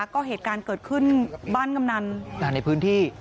ก็เหตุการณ์เกิดขึ้นบ้านกำนันในพื้นที่